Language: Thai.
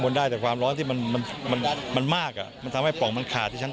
แล้วมันก็จุดติดที่ชั้น๘